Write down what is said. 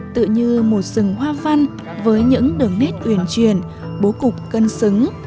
tự như một rừng hoa văn với những đường nét uyển truyền bố cục cân xứng